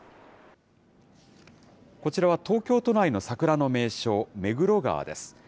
こちらは東京都内の桜の名所、目黒川です。